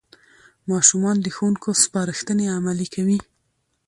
ماشومان د ښوونکو سپارښتنې عملي کوي